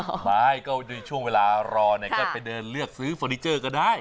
ไม่ก็ในช่วงเวลารอเนี่ยก็ไปเดินเลือกซื้อเฟอร์นิเจอร์ก็ได้